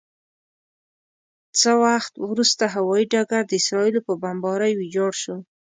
څه وخت وروسته هوايي ډګر د اسرائیلو په بمبارۍ ویجاړ شو.